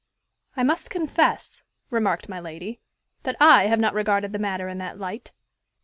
"I must confess," remarked my lady, "that I have not regarded the matter in that light."